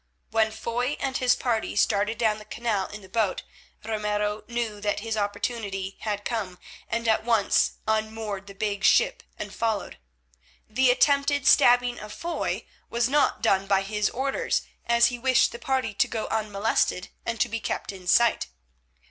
When Foy and his party started down the canal in the boat Ramiro knew that his opportunity had come, and at once unmoored the big ship and followed. The attempted stabbing of Foy was not done by his orders, as he wished the party to go unmolested and to be kept in sight.